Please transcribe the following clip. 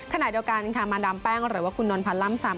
ขณะเดียวกันค่ะมาดามแป้งหรือว่าคุณนนพันธ์ล่ำซำ